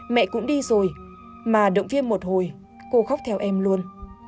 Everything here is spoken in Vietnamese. mẹ cũng đi rồi mà động viên một hồi cô khóc theo em luôn